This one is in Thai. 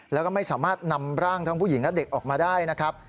แล้วก็ไม่สามารถนำร่างทั้งผู้หญิงและเด็กออกมาได้นะครับ